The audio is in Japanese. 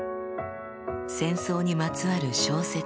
戦争にまつわる小説